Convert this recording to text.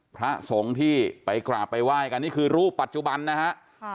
พระสงฆ์ที่ไปกราบไปไหว้กันนี่คือรูปปัจจุบันนะฮะ